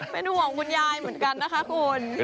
เป็นห่วงคุณยายเหมือนกันนะคะคุณ